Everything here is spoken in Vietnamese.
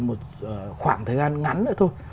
một khoảng thời gian ngắn nữa thôi